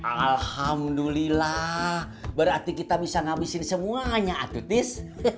alhamdulillah berarti kita bisa ngabisin semuanya attitis